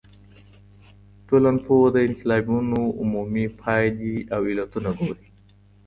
ټولنپوه د انقلابونو عمومي پايلي او علتونه ګوري.